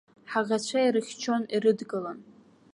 Ҳаӷацәа ирыхьчон, ирыдгылан.